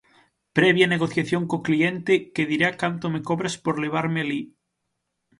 Previa negociación co cliente, que dirá canto me cobras por levarme alí.